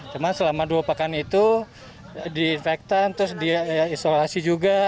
cuma selama dua pekan itu diinfektan terus dia isolasi juga